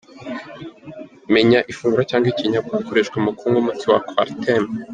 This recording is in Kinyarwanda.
Menya ifunguro cyangwa ibinyobwa wakoreshwa mu kunywa umuti wa 'Coartem' .